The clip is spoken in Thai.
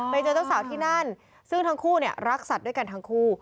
เจอเจ้าสาวที่นั่นซึ่งทั้งคู่เนี่ยรักสัตว์ด้วยกันทั้งคู่